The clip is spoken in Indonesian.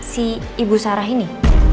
si ibu sarah ini